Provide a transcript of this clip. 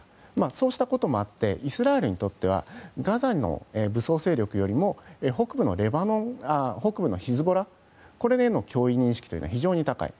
そうしたこともあってイスラエルにとってはガザの武装勢力よりも北部のヒズボラこれへの脅威認識が非常に高い。